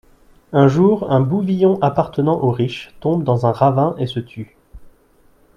Un jour, un bouvillon appartenant au riche tombe dans un ravin et se tue.